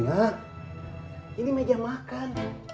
tengah ini meja makan